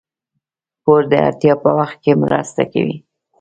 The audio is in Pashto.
پور د اړتیا په وخت کې مرسته کوي.